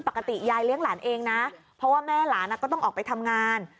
ปกติยายเลี้ยงหลานเองนะเพราะว่าแม่หลานก็ต้องออกไปทำงาน